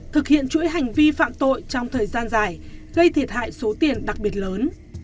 thực hiện chuỗi hành vi phạm tội trong thời gian dài gây thiệt hại số tiền đặc biệt lớn